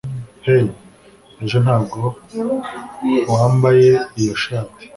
hey, ejo ntabwo wambaye iyo shati